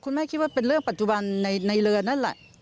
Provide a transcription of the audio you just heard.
คิดว่าเป็นเรื่องปัจจุบันในเรือนั่นแหละ